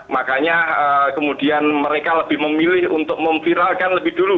makanya kemudian mereka lebih memilih untuk memviralkan lebih dulu